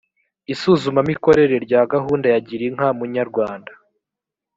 isuzumamikorere rya gahunda ya girinka munyarwanda